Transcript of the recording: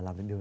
làm cho mình